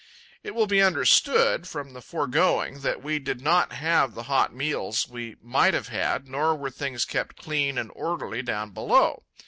It will be understood, from the foregoing, that we did not have the hot meals we might have had, nor were things kept clean and orderly down below.